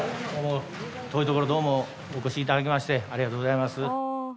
遠いところどうもお越しいただきましてありがとうございます